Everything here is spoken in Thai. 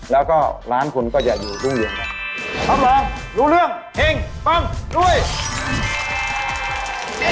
แล้วก็ร้านคุณก็อย่าอยู่รุ่งเรืองรับรองรู้เรื่องเฮงปังรวย